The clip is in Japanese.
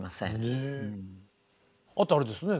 あとあれですね。